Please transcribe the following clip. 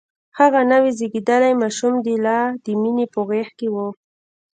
هغه نوی زيږدلی ماشوم لا د مينې په غېږ کې و.